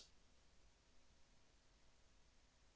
N. .